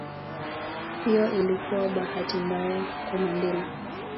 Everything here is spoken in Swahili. Hiyo ilikuwa bahati mbaya kwa Mandela